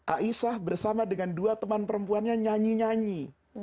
aisyah bersama dengan dua teman perempuannya nyanyi nyanyi